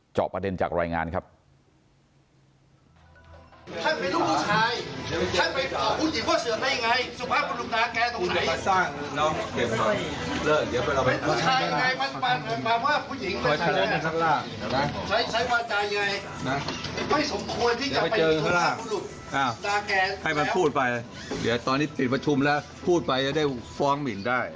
จอบประเด็นจากรายงานครับ